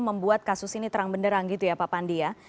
membuat kasus ini terang benderang gitu ya pak pandi ya